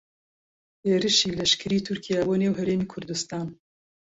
هێرشی لەشکریی تورکیا بۆ نێو هەرێمی کوردستان